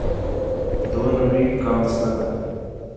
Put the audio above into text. دو نمبری کا مسئلہ ہے۔